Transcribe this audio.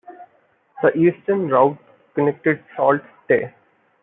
The Eastern route connected Sault Ste.